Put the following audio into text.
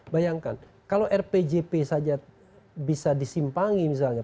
bayangkan kalau rpjp saja bisa disimpangi misalnya